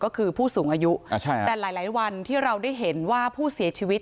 ก็คือผู้สูงอายุแต่หลายวันที่เราได้เห็นว่าผู้เสียชีวิต